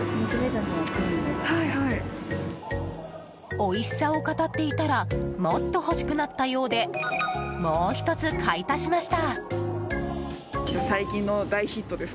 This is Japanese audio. おいしさを語っていたらもっと欲しくなったようでもう１つ買い足しました。